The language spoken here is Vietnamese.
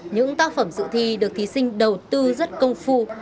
những tác phẩm dự thi được thí sinh đầu tư rất công phu